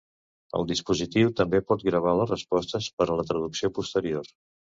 El dispositiu també pot gravar les respostes per a la traducció posterior.